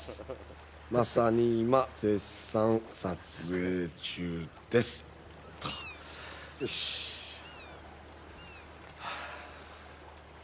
「まさに今、絶賛撮影中です！」とよしチッ